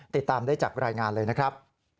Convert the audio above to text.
ติดตามได้จากรายงานเลยนะครับ